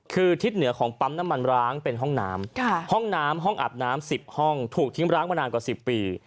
คือทิศเหนือของปั๊มน้ำมันร้างเป็นห้องน้ำห้องน้ำห้องอาบน้ำ๑๐ห้องถูกทิ้งร้างมานานกว่า๑๐ปี